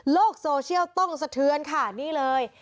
โซเชียลต้องสะเทือนค่ะนี่เลย